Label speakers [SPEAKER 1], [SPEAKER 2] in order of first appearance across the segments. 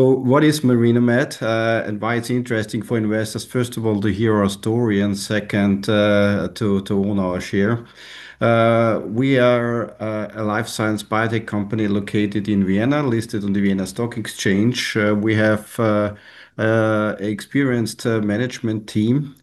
[SPEAKER 1] What is Marinomed, and why it's interesting for investors? First of all, to hear our story, and second, to own our share. We are a life science biotech company located in Vienna, listed on the Vienna Stock Exchange. We have experienced management team,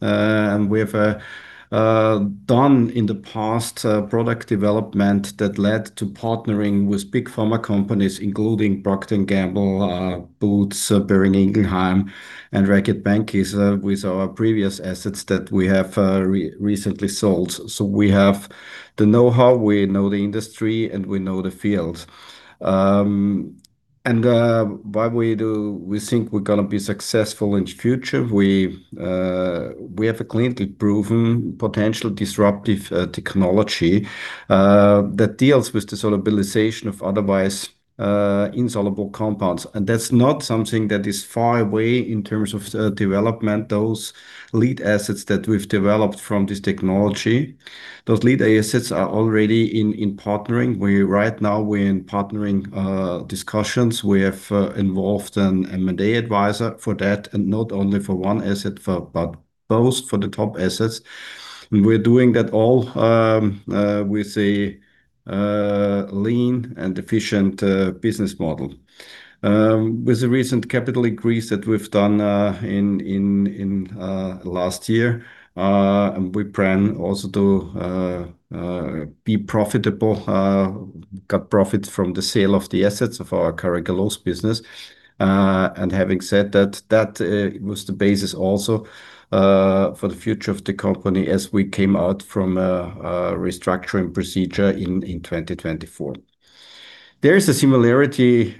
[SPEAKER 1] and we have done in the past product development that led to partnering with big pharma companies, including Procter & Gamble, Boots, Boehringer Ingelheim, and Reckitt Benckiser with our previous assets that we have recently sold. We have the know-how, we know the industry, and we know the field. And why we think we're gonna be successful in the future? We have a clinically proven, potential disruptive technology that deals with the solubilization of otherwise insoluble compounds. That's not something that is far away in terms of development. Those lead assets that we've developed from this technology, those lead assets are already in partnering. Right now, we're in partnering discussions. We have involved an M&A advisor for that, and not only for one asset but for the top assets. We're doing that all with a lean and efficient business model. With the recent capital increase that we've done last year, and we plan also to be profitable, got profit from the sale of the assets of our Carragelose business. Having said that was also the basis for the future of the company as we came out from a restructuring procedure in 2024. There is a similarity with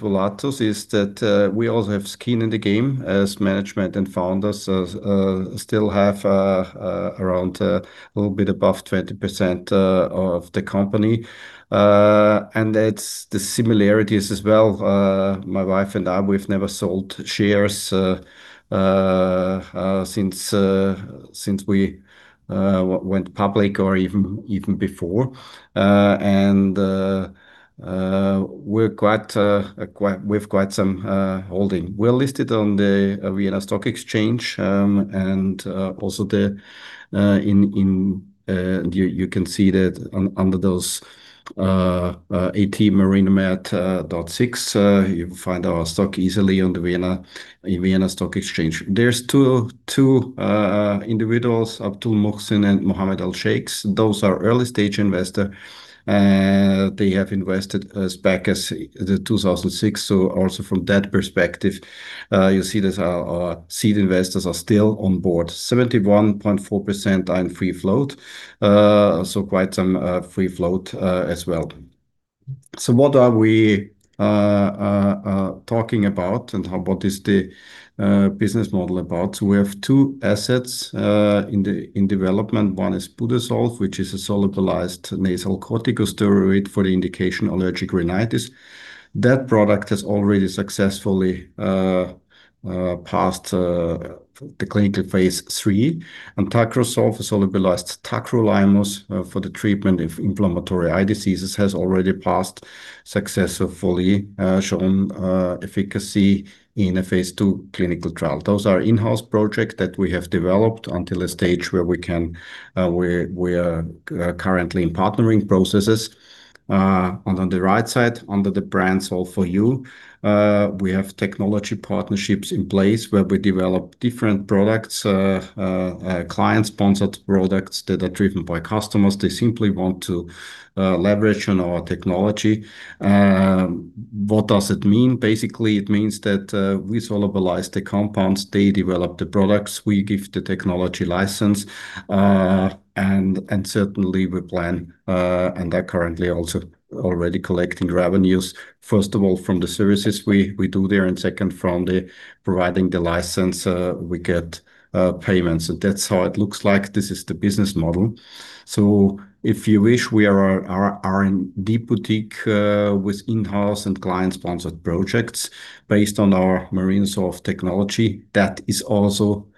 [SPEAKER 1] Volatus, is that we also have skin in the game as management and founders, still have around a little bit above 20% of the company. That's the similarities as well. My wife and I, we've never sold shares since we went public or even before. We have quite some holding. We're listed on the Vienna Stock Exchange. You can see that under ATMARINOMED6. You can find our stock easily on the Vienna Stock Exchange. There's two individuals, Abdul Mohsin and Mohammed Al-Sheikhs. Those are early-stage investor, and they have invested as back as 2006. Also from that perspective, you see that our seed investors are still on board. 71.4% are in free float, quite some free float as well. What are we talking about, and what is the business model about? We have two assets in the, in development. One is Budesolv, which is a solubilized nasal corticosteroid for the indication allergic rhinitis. That product has already successfully passed the clinical phase III, and Tacrosolv, a solubilized tacrolimus for the treatment of inflammatory eye diseases, has already passed successfully shown efficacy in a phase II clinical trial. Those are in-house project that we have developed until a stage where we can, we are currently in partnering processes. On the right side, under the brand Solv4U, we have technology partnerships in place where we develop different products, client-sponsored products that are driven by customers. They simply want to leverage on our technology. What does it mean? Basically, it means that we solubilize the compounds, they develop the products, we give the technology license, and certainly, we plan and are currently also already collecting revenues, first of all, from the services we do there, and second, from the providing the license, we get payments. That's how it looks like. This is the business model. If you wish, we are an R&D boutique with in-house and client-sponsored projects based on our Marinosolv technology. That is also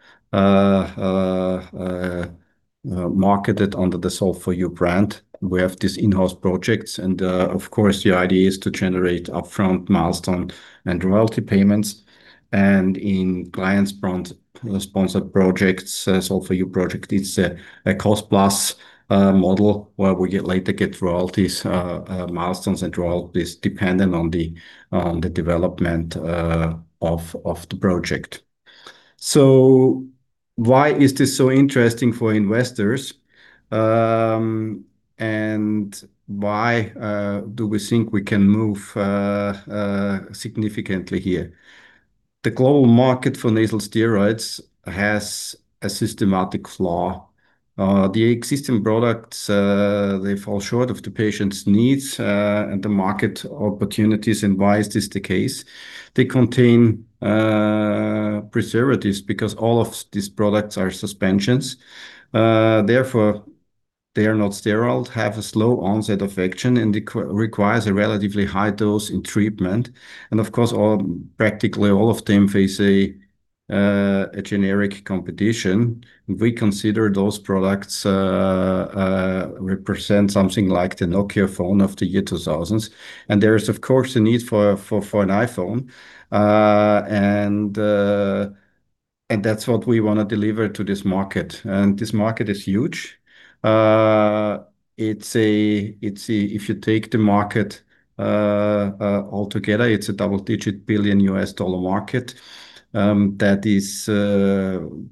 [SPEAKER 1] marketed under the Solv4U brand. We have these in-house projects, of course, the idea is to generate upfront milestone and royalty payments. In client-sponsored projects, Solv4U project, it's a cost-plus model where we later get royalties, milestones and royalties dependent on the development of the project. Why is this so interesting for investors, why do we think we can move significantly here? The global market for nasal steroids has a systematic flaw. The existing products, they fall short of the patient's needs and the market opportunities. Why is this the case? They contain preservatives because all of these products are suspensions. Therefore, they are not sterile, have a slow onset of action, and requires a relatively high dose in treatment. Of course, all, practically all of them face a generic competition. We consider those products represent something like the Nokia phone of the year 2000s. There is, of course, a need for an iPhone, and that's what we want to deliver to this market, and this market is huge. It's a if you take the market altogether, it's a double-digit billion US dollar market that is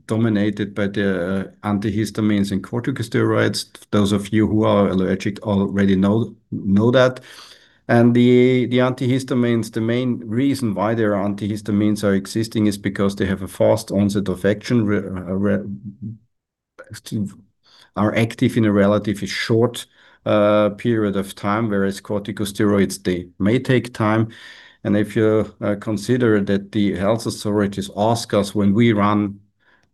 [SPEAKER 1] dominated by the antihistamines and corticosteroids. Those of you who are allergic already know that. The antihistamines, the main reason why their antihistamines are existing is because they have a fast onset of action, are active in a relatively short period of time, whereas corticosteroids, they may take time. If you consider that the health authorities ask us when we ran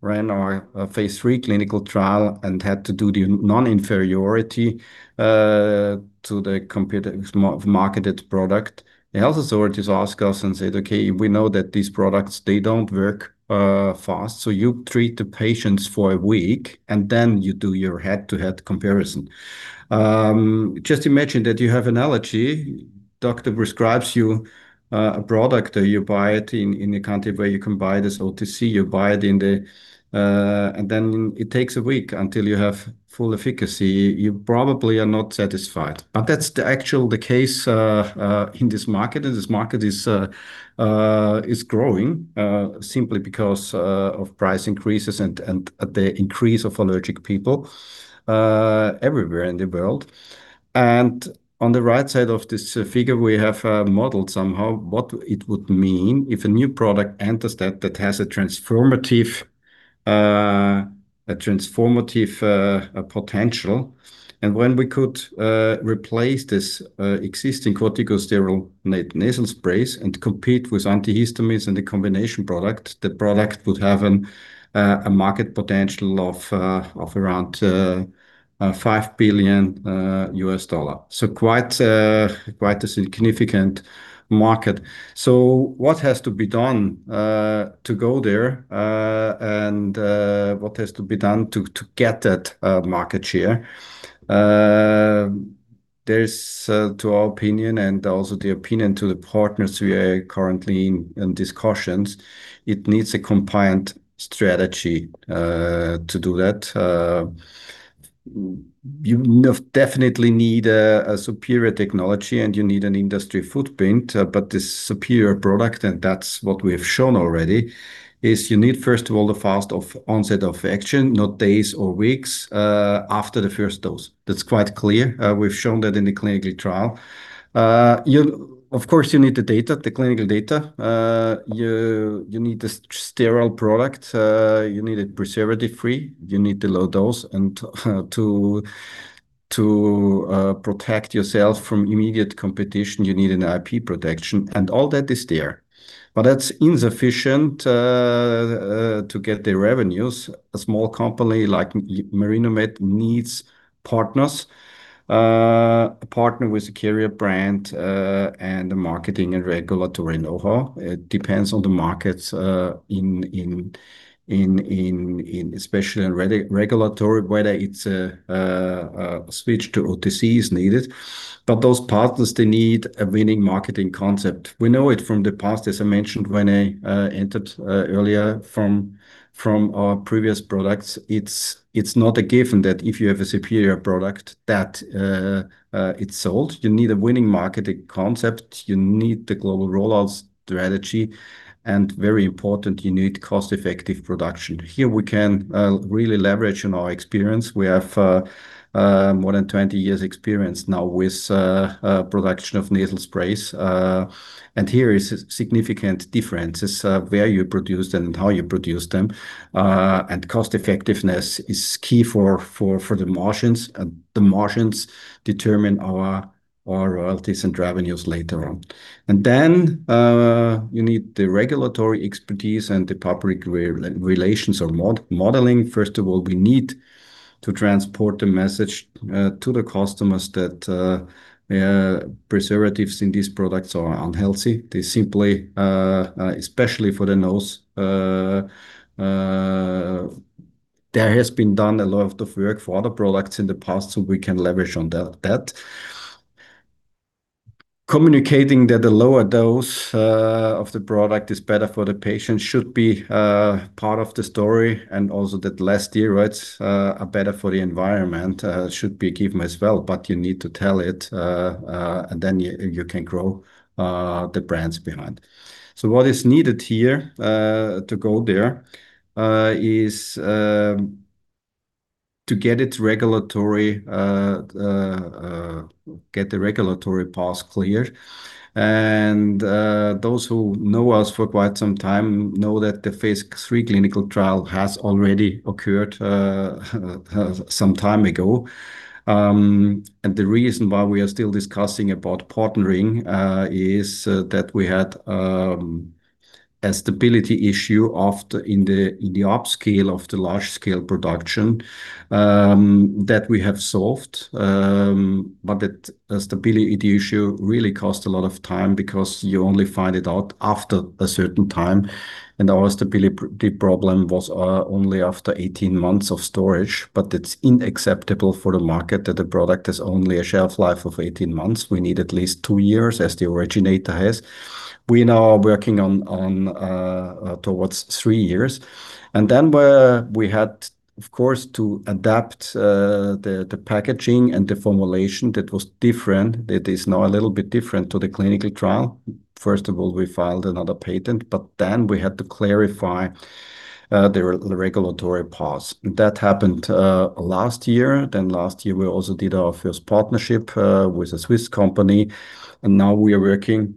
[SPEAKER 1] our phase III clinical trial and had to do the non-inferiority to the competitor of marketed product, the health authorities ask us and said, "Okay, we know that these products, they don't work fast, so you treat the patients for a week, and then you do your head-to-head comparison." Just imagine that you have an allergy. Doctor prescribes you a product, or you buy it in a country where you can buy this OTC. You buy it in the, and then it takes a week until you have full efficacy. You probably are not satisfied. That's the actual case in this market, and this market is growing simply because of price increases and the increase of allergic people everywhere in the world. On the right side of this figure, we have modeled somehow what it would mean if a new product enters that has a transformative potential. When we could replace this existing corticosteroid nasal sprays and compete with antihistamines and a combination product, the product would have a market potential of around $5 billion. Quite a significant market. What has to be done to go there and what has to be done to get that market share? In our opinion, and also the opinion to the partners we are currently in discussions, it needs a compliant strategy to do that. You definitely need a superior technology, and you need an industry footprint, but this superior product, and that's what we have shown already, is you need, first of all, a fast onset of action, not days or weeks after the first dose. That's quite clear. We've shown that in the clinical trial. Of course, you need the data, the clinical data. You need the sterile product. You need it preservative-free. You need the low dose, and to protect yourself from immediate competition, you need an IP protection, and all that is there. But that's insufficient to get the revenues. A small company like Marinomed needs partners. A partner with a carrier brand and marketing and regulatory know-how. It depends on the markets, especially in the regulatory, whether it's a switch to OTC is needed. Those partners, they need a winning marketing concept. We know it from the past, as I mentioned, when I entered from our previous products. It's not a given that if you have a superior product, it's sold. You need a winning marketing concept. You need the global rollout strategy, and very importantly, you need cost-effective production. Here we can really leverage our experience. We have more than 20 years of experience now with the production of nasal sprays. Here is significant differences in how you produce and how you produce them. Cost effectiveness is key for the margins, and the margins determine our royalties and revenues later on. You need the regulatory expertise and the public relations or modeling. We need to transport the message to the customers that preservatives in these products are unhealthy. They simply, especially for the nose. There has been done a lot of work for other products in the past, so we can leverage on that. Communicating that the lower dose of the product is better for the patient should be part of the story, and also that less steroids are better for the environment should be given as well, but you need to tell it, and then you can grow the brand behind. What is needed here to go there is to get the regulatory path cleared. Those who know us for quite some time know that the phase III clinical trial occurred some time ago. The reason why we are still discussing about partnering is that we had a stability issue after in the upscale of the large-scale production that we have solved. That stability issue really cost a lot of time because you only find it out after a certain time, and our stability problem was only after 18 months of storage. It's unacceptable for the market that the product has only a shelf life of 18 months. We need at least two years, as the originator has. We are now working on, towards three years. We had to adapt the packaging and the formulation, which was different. It is now a little bit different to the clinical trial. First of all, we filed another patent. We had to clarify the regulatory paths. That happened last year. Last year, we also did our first partnership with a Swiss company. Now we are working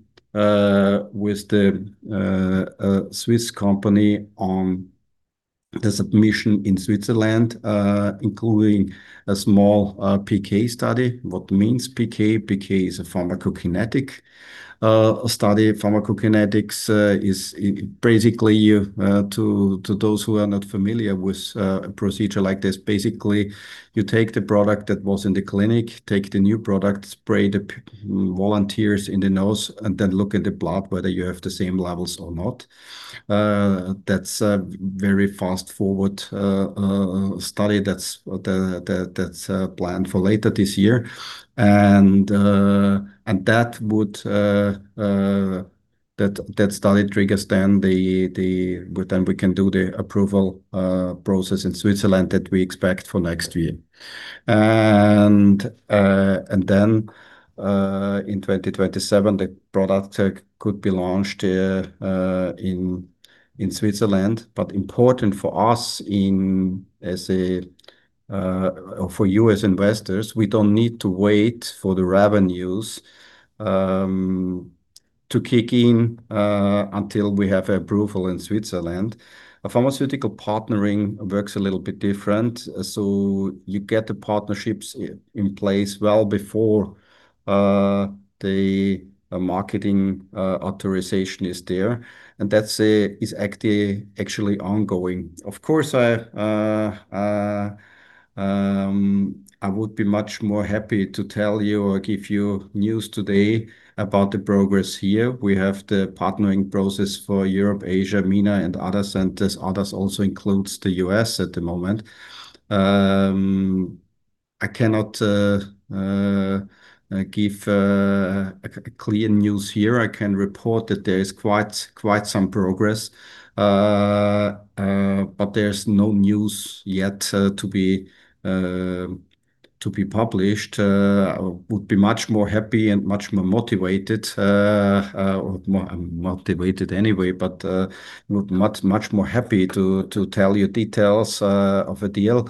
[SPEAKER 1] with the Swiss company on the submission in Switzerland, including a small PK study. What does PK mean? PK is a pharmacokinetic study. Pharmacokinetics is basically you, to those who are not familiar with a procedure like this, basically, you take the product that was in the clinic, take the new product, spray the volunteers in the nose, and then look at the blood, whether you have the same levels or not. That's a very fast-forward study. That's planned for later this year, and that study triggers then, well, then we can do the approval process in Switzerland that we expect for next year. Then, in 2027, the product could be launched in Switzerland. Important for us, for you as investors, we don't need to wait for the revenues to kick in until we have approval in Switzerland. A pharmaceutical partnering works a little bit differently. You get the partnerships in place well before the marketing authorization is there, and that's actually ongoing. Of course, I would be much happier to tell you or give you news today about the progress here. We have the partnering process for Europe, Asia, MENA, and others, and these others also include the US at the moment. I cannot give clear news here. I can report that there is quite some progress, but there's no news yet to be published. Would be much happier and much more motivated. I'm motivated anyway, but much happier to tell you details of a deal.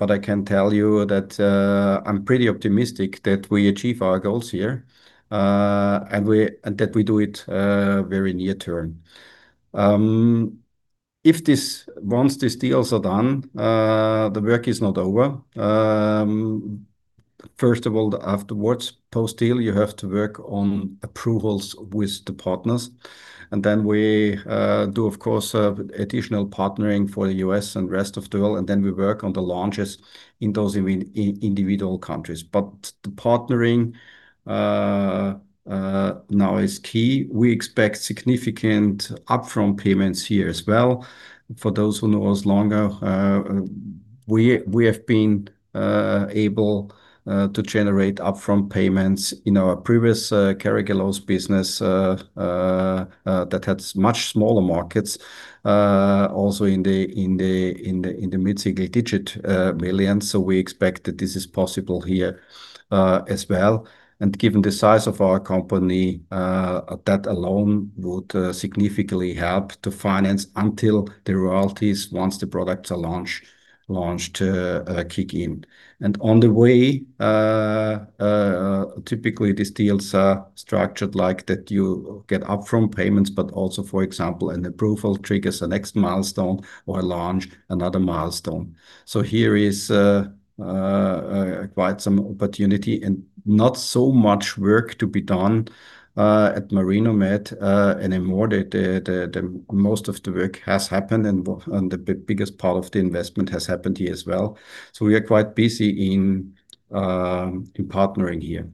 [SPEAKER 1] I can tell you that I'm pretty optimistic that we achieve our goals here and that we do it very soon. Once these deals are done, the work is not over. First of all, afterwards, post-deal, you have to work on approvals with the partners, and then we do, of course, additional partnering for the US and rest of the world, and then we work on the launches in those individual countries. The partnering now is key. We expect significant upfront payments here as well. For those who know us longer, we have been able to generate upfront payments in our previous Carragelose business that had much smaller markets also in the mid-single-digit billion EUR. We expect that this is possible here as well. Given the size of our company, that alone would significantly help to finance us until the royalties, once the products are launched, kick in. On the way, typically these deals are structured like that you get upfront payments, but also, for example, an approval triggers the next milestone or launches another milestone. Here is quite some opportunity and not so much work to be done at Marinomed anymore. Most of the work has happened, and the biggest part of the investment has happened here as well. We are quite busy in partnering here.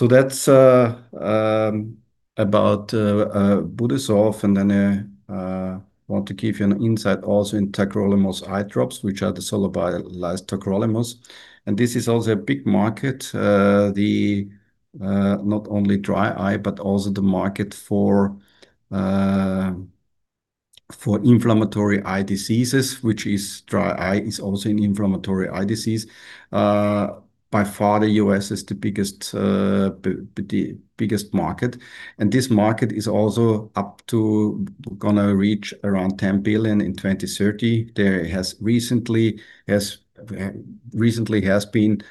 [SPEAKER 1] That's about Budesolv, and then I want to give you an insight also into tacrolimus eye drops, which are the solubilized tacrolimus. This is also a big market, not only dry eye, but also the market for inflammatory eye diseases, which is dry eye, is also an inflammatory eye disease. By far, the US is the biggest market, and this market is also up to gonna reach around $10 billion in 2030. There has recently been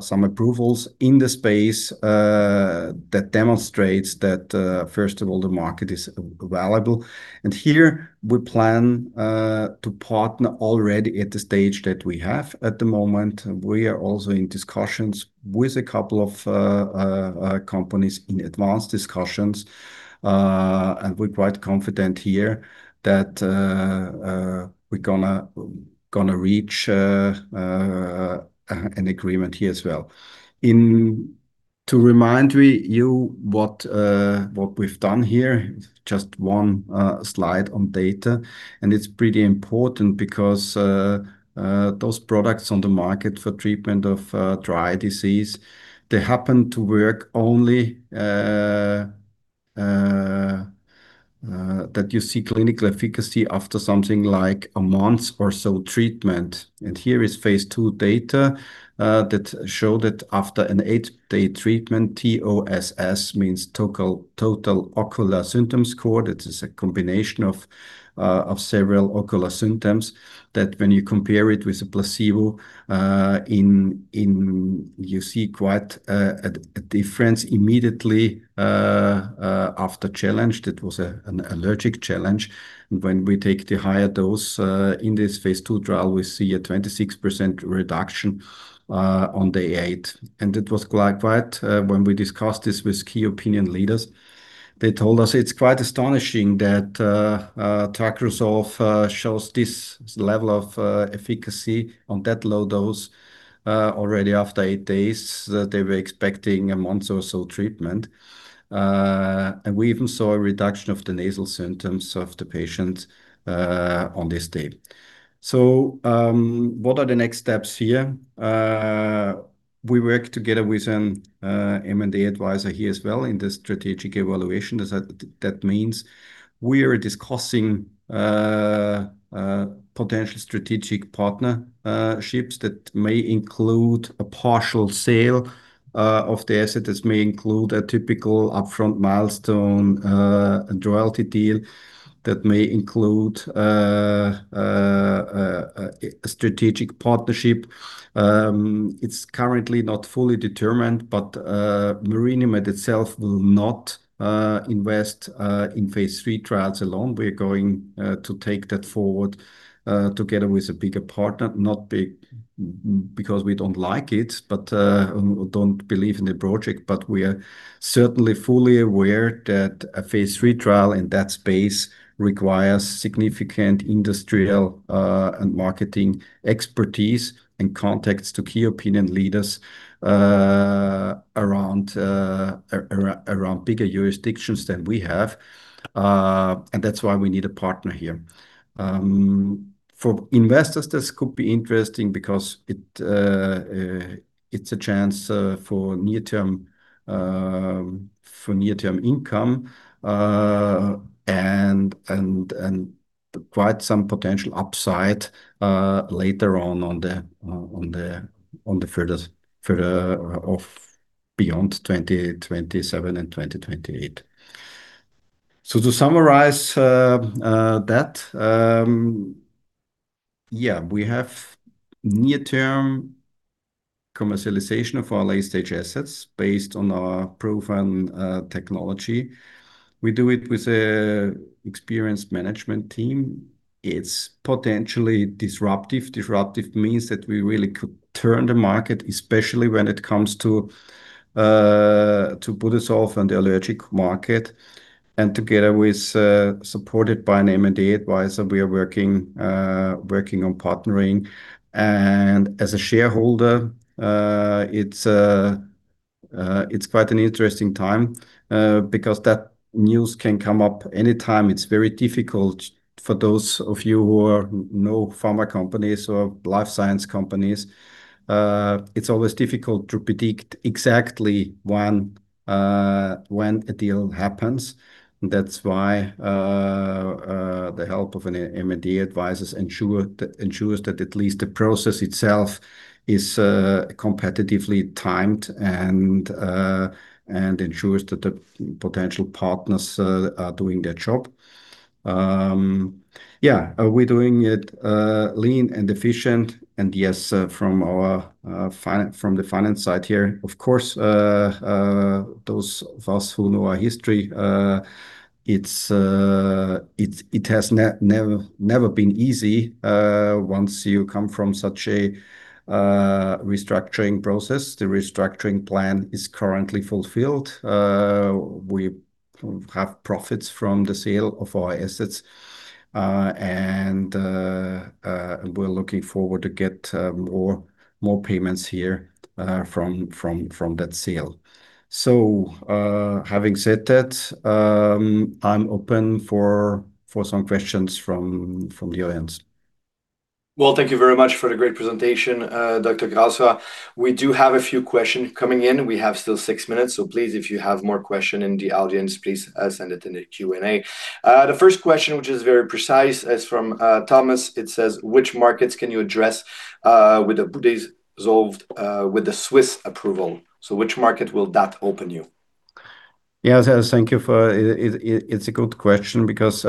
[SPEAKER 1] some approvals in the space that demonstrate that, first of all, the market is valuable. Here we plan to partner already at the stage that we have at the moment. We are also in advanced discussions with a couple of companies in advanced discussions. We're quite confident here that we're gonna reach an agreement here as well. To remind you what we've done here, just one slide on data, it's pretty important because those products on the market for treatment of dry eye disease, they happen to work only if you see clinical efficacy after something like a month or so of treatment. Here is phase II data that shows that after an 8-day treatment, TOSS means Total Ocular Symptom Score. That is a combination of several ocular symptoms, which, when you compare it with a placebo, you see quite a difference immediately after challenge. That was an allergic challenge. When we take the higher dose in this phase II trial, we see a 26% reduction on day eight. It was quite, when we discussed this with key opinion leaders, they told us it's quite astonishing that Tacrosolv shows this level of efficacy on that low dose already after eight days, that they were expecting a month or so treatment. We even saw a reduction of the nasal symptoms of the patient on this date. What are the next steps here? We work together with an M&A advisor here as well in the strategic evaluation. That means we are discussing potential strategic partnerships that may include a partial sale of the asset. This may include a typical upfront milestone royalty deal that may include a strategic partnership. It's currently not fully determined, but Marinomed itself will not invest in phase III trials alone. We're going to take that forward together with a bigger partner. Not big because we don't like it, we don't believe in the project, but we are certainly fully aware that a phase III trial in that space requires significant industrial and marketing expertise and contacts to key opinion leaders around bigger jurisdictions than we have. And that's why we need a partner here. For investors, this could be interesting because it's a chance for near-term income and quite some potential upside later on the further of beyond 2027 and 2028. To summarize, yeah, we have near-term commercialization of our late-stage assets based on our proven technology. We do it with an experienced management team. It's potentially disruptive. Disruptive means that we really could turn the market, especially when it comes to Budesolv and the allergic market, and together with, supported by an M&A advisor, we are working on partnering. As a shareholder, it's quite an interesting time because that news can come up anytime. It's very difficult for those of you who are know pharma companies or life science companies, it's always difficult to predict exactly when a deal happens. That's why the help of an M&A advisor ensures that at least the process itself is competitively timed and ensures that the potential partners are doing their job. Yeah, we're doing it lean and efficient, and yes, from our from the finance side here, of course, those of us who know our history, it's it has never been easy once you come from such a restructuring process. The restructuring plan is currently fulfilled. We have profits from the sale of our assets, and we're looking forward to get more payments here from that sale. Having said that, I'm open for some questions from the audience.
[SPEAKER 2] Well, thank you very much for the great presentation, Andreas Grassauer. We do have a few questions coming in. We have still six minutes. Please, if you have more questions in the audience, please send it in the Q&A. The first question, which is very precise, is from Thomas. It says: Which markets can you address with the Budesolv with the Swiss approval? Which market will that open you?
[SPEAKER 1] It's a good question because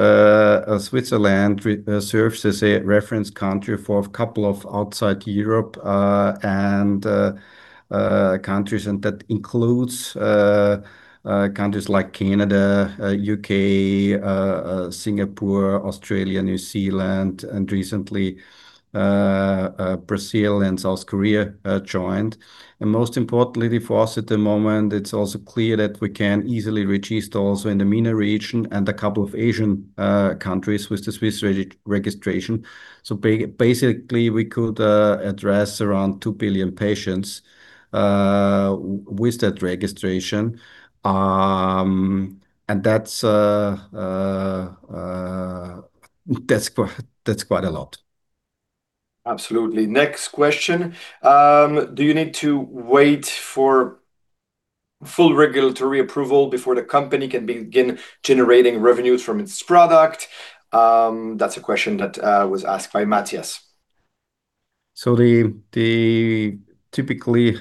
[SPEAKER 1] Switzerland serves as a reference country for a couple of countries outside Europe, and that includes countries like Canada, UK, Singapore, Australia, New Zealand, and recently Brazil and South Korea joined. Most importantly for us at the moment, it's also clear that we can easily reach East also in the MENA region and a couple of Asian countries with the Swiss registration. Basically, we could address around 2 billion patients with that registration. That's quite a lot.
[SPEAKER 2] Absolutely. Next question, do you need to wait for full regulatory approval before the company can begin generating revenues from its product? That's a question that was asked by Matthias.
[SPEAKER 1] The typically,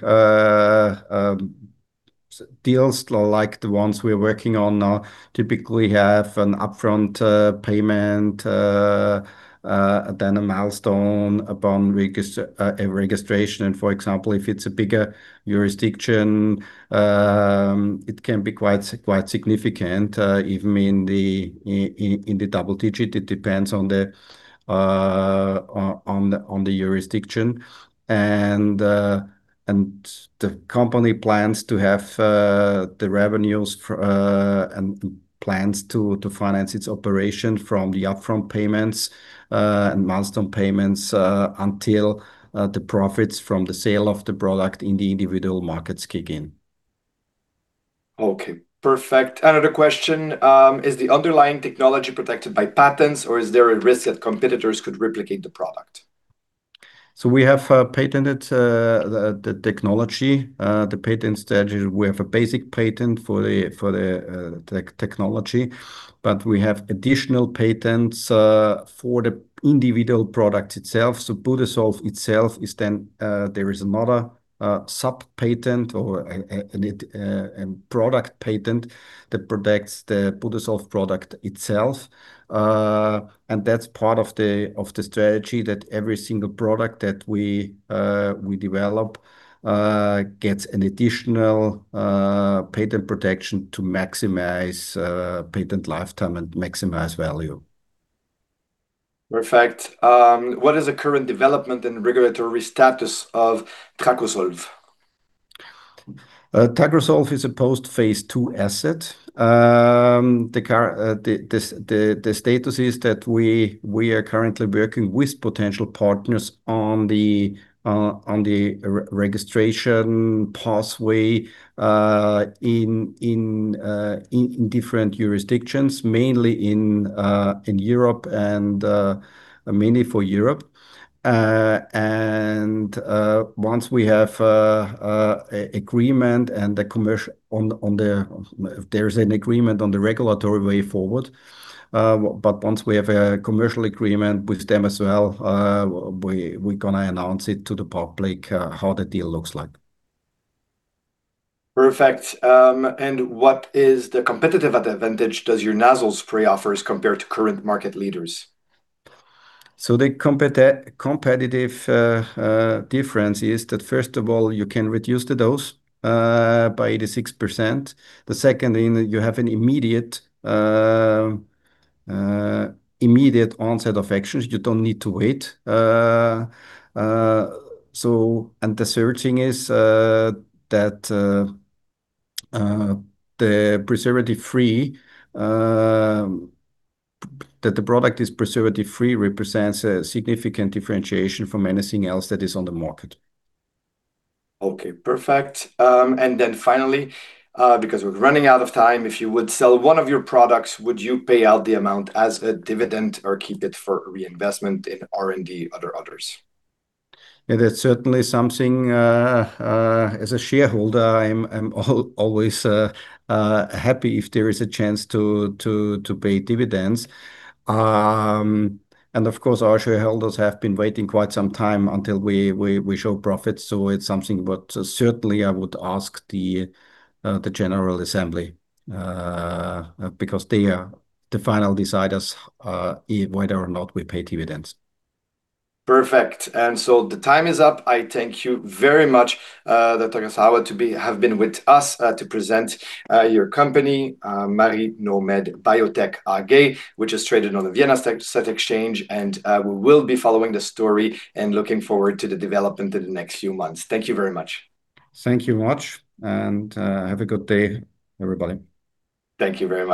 [SPEAKER 1] deals like the ones we're working on now typically have an upfront payment, then a milestone upon a registration. For example, if it's a bigger jurisdiction, it can be quite significant, even in the double-digit. It depends on the jurisdiction. The company plans to finance its operation from the upfront payments and milestone payments until the profits from the sale of the product in the individual markets kick in.
[SPEAKER 2] Okay, perfect. Another question, is the underlying technology protected by patents, or is there a risk that competitors could replicate the product?
[SPEAKER 1] We have patented the technology. The patent strategy, we have a basic patent for the technology, but we have additional patents for the individual product itself. Budesolv itself is then there is another sub-patent or a product patent that protects the Budesolv product itself. That's part of the strategy, that every single product that we develop gets an additional patent protection to maximize patent lifetime and maximize value.
[SPEAKER 2] Perfect. What is the current development and regulatory status of Tacrosolv?
[SPEAKER 1] Tacrosolv is a post-phase II asset. The status is that we are currently working with potential partners on the registration pathway in different jurisdictions, mainly in Europe and mainly for Europe. If there's an agreement on the regulatory way forward, but once we have a commercial agreement with them as well, we're gonna announce it to the public what the deal looks like.
[SPEAKER 2] Perfect. What is the competitive advantage does your nasal spray offer compared to current market leaders?
[SPEAKER 1] The competitive difference is that, first of all, you can reduce the dose by 86%. The second thing, you have an immediate onset of actions. You don't need to wait. The third thing is that the product is preservative-free, which represents a significant differentiation from anything else that is on the market.
[SPEAKER 2] Okay, perfect. Finally, because we're running out of time, if you were to sell one of your products, would you pay out the amount as a dividend or keep it for reinvestment in R&D or others?
[SPEAKER 1] That's certainly something as a shareholder, I'm always happy if there is a chance to pay dividends. Of course, our shareholders have been waiting quite some time until we show profits, so it's something, but certainly I would ask the general assembly because they are the final deciders whether or not we pay dividends.
[SPEAKER 2] Perfect. The time is up. I thank you very much, Dr. Grassauer, for being with us to present your company, Marinomed Biotech AG, which is traded on the Vienna Stock Exchange. We will be following the story and looking forward to the development in the next few months. Thank you very much.
[SPEAKER 1] Thank you very much, and have a good day, everybody.
[SPEAKER 2] Thank you very much.